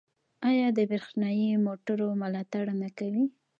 آیا د بریښنايي موټرو ملاتړ نه کوي؟